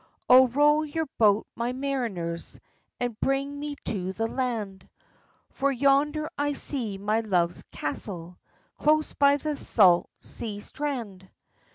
"O row your boat, my mariners, And bring me to the land, For yonder I see my love's castle, Close by the sa't sea strand."